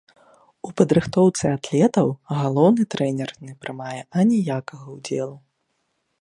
У падрыхтоўцы атлетаў галоўны трэнер не прымае аніякага ўдзелу.